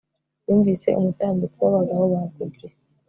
Yumvise umutambiko wabagabo ba goblin